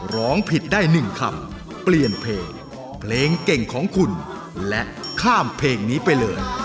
ร้องผิดได้๑คำเปลี่ยนเพลงเพลงเก่งของคุณและข้ามเพลงนี้ไปเลย